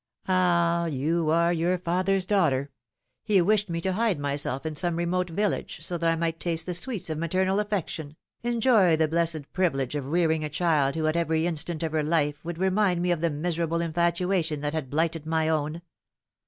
" Ah, you are your father's daughter. He wished me to hide myself in some remote village so that I might taste the sweets of maternal affection, enjoy the blessed privilege of rearing a child who at every instant of her life would remind me of the miserable infatuation that had blighted my own.